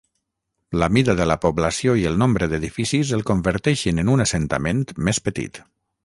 La mida de la població i el nombre d'edificis el converteixen en un assentament més petit.